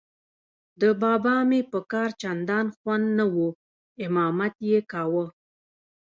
د بابا مې په کار چندان خوند نه و، امامت یې کاوه.